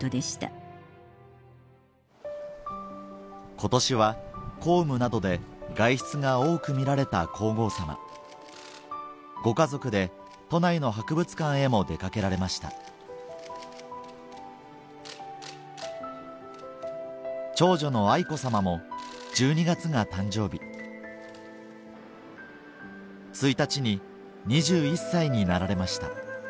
今年は公務などで外出が多くみられた皇后さまご家族で都内の博物館へも出掛けられました長女の愛子さまも１２月が誕生日１日に２１歳になられました